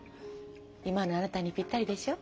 今のあなたにぴったりでしょ？